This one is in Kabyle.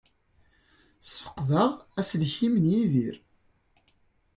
Sfeqdeɣ aselkim n Yidir.